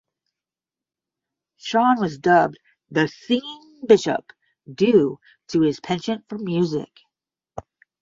Chan was dubbed "The Singing Bishop" due to his penchant for music.